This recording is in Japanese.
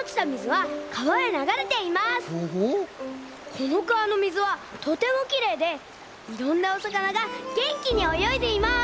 このかわのみずはとてもきれいでいろんなおさかながげんきにおよいでいます！